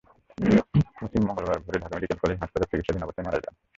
ওয়াসিম মঙ্গলবার ভোরে Dhaka medical college হাসপাতালে চিকিৎসাধীন অবস্থায় মারা যান।